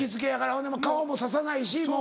ほんで顔もささないしもう。